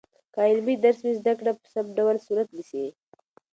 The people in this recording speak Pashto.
که عملي درس وي، زده کړه په سم ډول صورت نیسي.